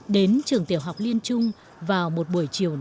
đến trường tiểu học liên trung vào một buổi chiều năm